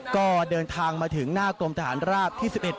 ก็เดินทางมาถึงหน้ากรมทหารราบที่๑๑